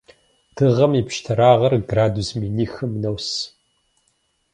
Дыгъэм и пщтырагъыр градус минихым нос.